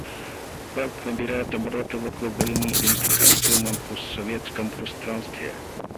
Банк набирает обороты в углублении интеграции на постсоветском пространстве.